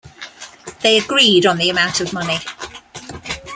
They agreed on the amount of money.